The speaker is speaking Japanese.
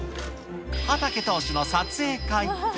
畠投手の撮影会。